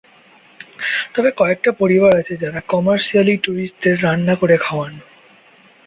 তবে কয়েকটা পরিবার আছে যারা কমার্শিয়ালি ট্যুরিস্টদের রান্না করে খাওয়ান।